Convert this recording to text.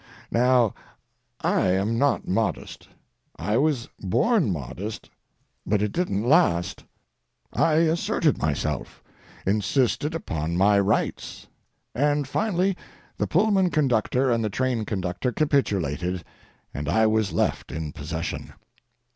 Now, I am not modest. I was born modest, but it didn't last. I asserted myself; insisted upon my rights, and finally the Pullman Conductor and the train conductor capitulated, and I was left in possession.